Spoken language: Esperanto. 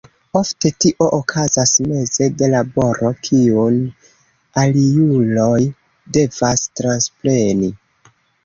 Ofte tio okazas meze de laboro, kiun aliuloj devas transpreni.